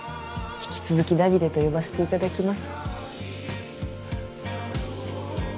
引き続きダビデと呼ばせていただきます